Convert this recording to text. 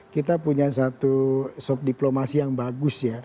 kita punya satu sub diplomasi yang bagus ya